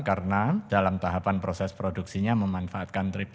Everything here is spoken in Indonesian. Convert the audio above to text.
karena dalam tahapan proses produksinya memanfaatkan tripsin